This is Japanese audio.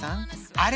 「あれ？